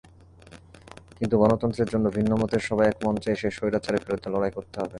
কিন্তু গণতন্ত্রের জন্য ভিন্নমতের সবাই একমঞ্চে এসে স্বৈরাচারের বিরুদ্ধে লড়াই করতে হবে।